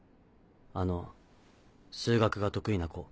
あの数学が得意な子。